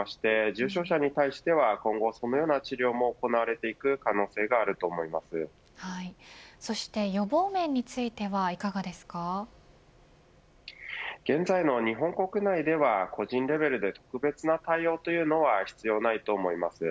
重症者に対しては今後そのような治療も行われていく可能性がそして予防面については現在の日本国内では個人レベルで特別な対応というのは必要ないと思います。